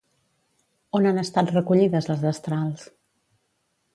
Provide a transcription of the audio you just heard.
On han estat recollides les destrals?